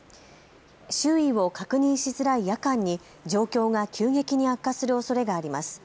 周囲を確認しづらい夜間に状況が急激に悪化するおそれがあります。